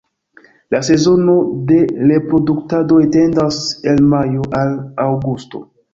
La sezono de reproduktado etendas el majo al aŭgusto.